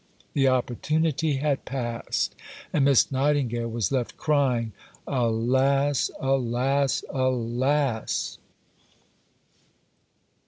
The opportunity had passed, and Miss Nightingale was left crying, "Alas! Alas! Alas!"